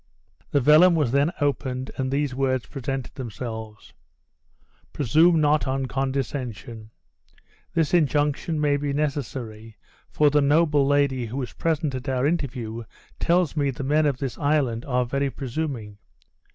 The vellum was then opened, and these words presented themselves: "Presume not on condescension. This injunction may be necessary for the noble lady who was present at our interview tells me the men of this island are very presuming.